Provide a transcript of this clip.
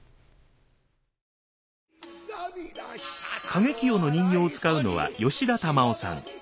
景清の人形を遣うのは吉田玉男さん。